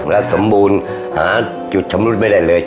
และสมบูรณ์หาจุดชำรุดไม่ได้เลย